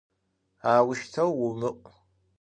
Auşteu vumı'u!